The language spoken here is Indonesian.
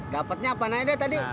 dapetnya apa naik deh tadi